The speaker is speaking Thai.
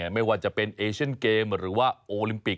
ไม่ว่าจะเป็นเอเชียนเกมหรือว่าโอลิมปิก